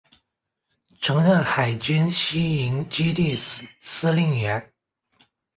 曾任海军西营基地司令员。